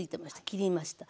切りました。